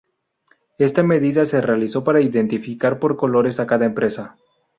Esta medida se realizó para identificar por colores a cada empresa.